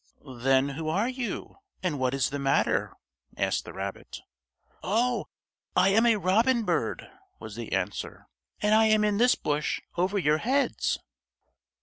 "Then who are you, and what is the matter?" asked the rabbit. "Oh, I am a robin bird," was the answer, "and I am in this bush over your heads."